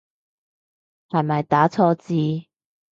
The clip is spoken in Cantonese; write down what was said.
係咪打錯字